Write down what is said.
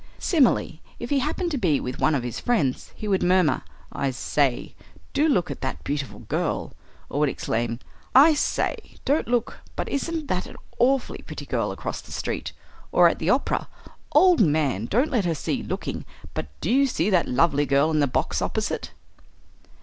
Similarly, if he happened to be with one of his friends, he would murmur, "I say, do look at that beautiful girl," or would exclaim, "I say, don't look, but isn't that an awfully pretty girl across the street?" or at the opera, "Old man, don't let her see you looking, but do you see that lovely girl in the box opposite?"